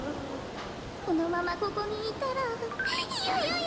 このままここにいたらヨヨヨ。